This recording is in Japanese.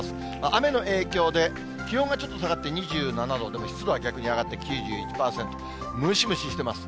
雨の影響で、気温がちょっと下がって２７度、でも湿度は逆に上がって９１％、ムシムシしてます。